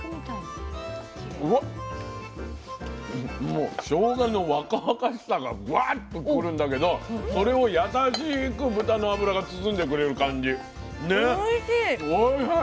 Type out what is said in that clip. もうしょうがの若々しさがぶわっとくるんだけどそれを優しく豚の脂が包んでくれる感じね。